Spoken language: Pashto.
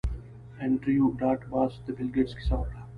انډریو ډاټ باس د بیل ګیټس کیسه وکړه